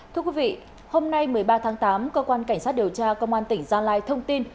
thưa quý vị hôm nay một mươi ba tháng tám cơ quan cảnh sát điều tra công an tỉnh gia lai thông tin